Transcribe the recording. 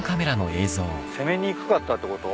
攻めにくかったってこと？